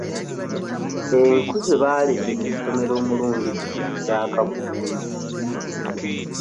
Enku ze baaleetera essomero omulundi guno tezaaka bulungi.